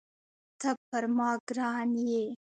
ته پر ما ګران یې